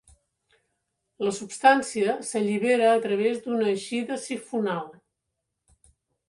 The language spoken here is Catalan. La substància s'allibera a través d'una eixida sifonal.